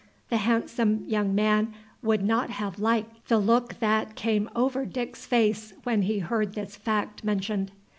The handsome young man would not have liked the look that, came over Dick's face when he heard this fact mentioned.